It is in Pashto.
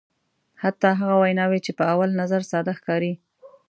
حتی هغه ویناوی چې په اول نظر ساده ښکاري.